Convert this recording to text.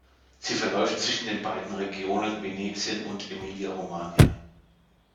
Sie verläuft zwischen den beiden Regionen Venetien und Emilia-Romagna.